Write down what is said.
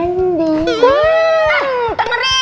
udah punya mas reddy